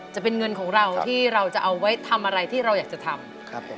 จะเป็นเงินของเราที่เราจะเอาไว้ทำอะไรที่เราอยากจะทำ